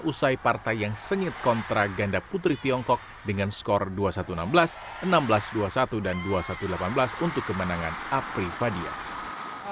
usai partai yang sengit kontra ganda putri tiongkok dengan skor dua puluh satu enam belas enam belas dua puluh satu dan dua puluh satu delapan belas untuk kemenangan apri fadiyah